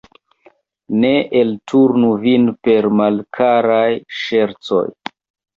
Ne elturnu vin per malkaraj ŝercoj!